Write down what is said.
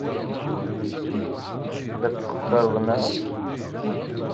La t-teqqareḍ, naɣ?